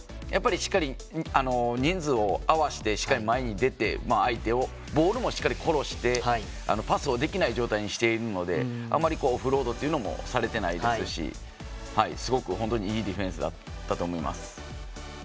しっかり人数を合わせてしっかり前に出て相手を、ボールをしっかり殺してパスをできない状態にしてるのでオフロードもされていないですしすごくいいディフェンスだったと思います。